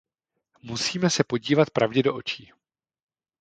Musíme se podívat pravdě do očí.